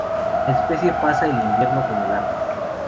La especie pasa el invierno como larva.